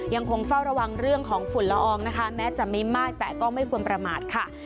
ยังคงเฝ้าระวังเรื่องของฝุ่นละอองนะคะแม้จะไม่มากแต่ก็ไม่ควรประมาทค่ะ